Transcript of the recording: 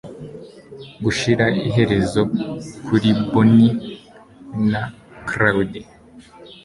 gushira iherezo kuri bonnie na clyde